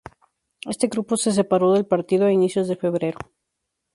Este grupo se separó del partido a inicios de febrero.